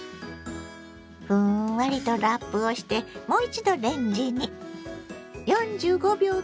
ふんわりとラップをしてもう一度レンジに。